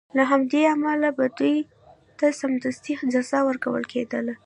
له همدې امله به دوی ته سمدستي جزا ورکول کېدله.